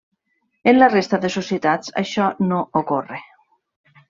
En la resta de societats això no ocorre.